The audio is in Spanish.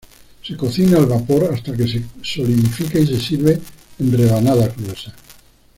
Se cocina al vapor hasta que se solidifica y se sirve en rebanadas gruesas.